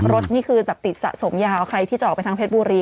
นี่คือแบบติดสะสมยาวใครที่จะออกไปทางเพชรบุรี